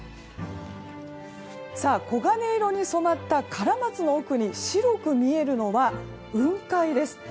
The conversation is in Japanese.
黄金色に染まったカラマツの奥に白く見えるのは雲海です。